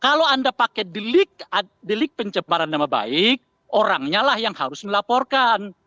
kalau anda pakai delik pencemaran nama baik orangnya lah yang harus melaporkan